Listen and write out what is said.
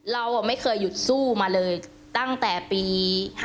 เราไม่เคยหยุดสู้มาเลยตั้งแต่ปี๕๗